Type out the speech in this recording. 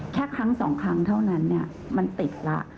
แค่ครั้งสองครั้งเท่านั้นมันติดแล้ว